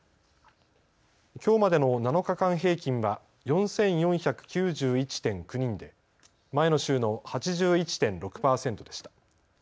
きょうまでの７日間平均は４４９１．９人で前の週の８１．６％でした。